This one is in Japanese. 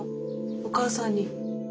お母さんに。